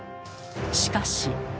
しかし。